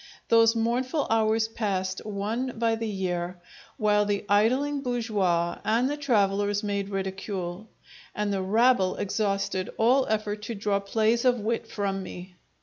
Those mournful hours passed, one by the year, while the idling bourgeois and the travellers made ridicule; and the rabble exhausted all effort to draw plays of wit from me.